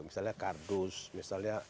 misalnya kardus misalnya